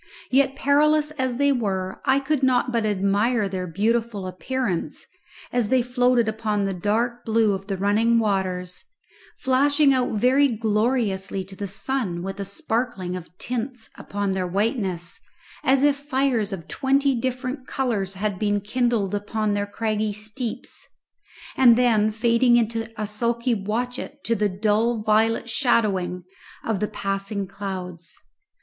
Yet perilous as they were, I could not but admire their beautiful appearance as they floated upon the dark blue of the running waters, flashing out very gloriously to the sun with a sparkling of tints upon their whiteness as if fires of twenty different colours had been kindled upon their craggy steeps, and then fading into a sulky watchet to the dull violet shadowing of the passing clouds.